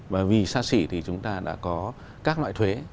và vì xa xỉ thì chúng ta đã có các loại thuế